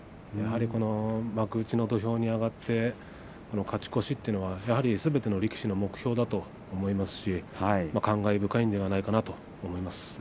やはり幕内の土俵に上がって勝ち越しというのはすべての力士の目標だと思いますし感慨深いんではないかと思います。